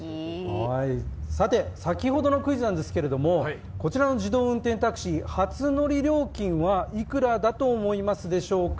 さて、先ほどのクイズですけれどもこちらの自動運転タクシー初乗り料金いくらでしょうか。